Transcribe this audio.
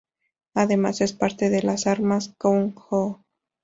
Además, es parte de las Armas-Gung-ho.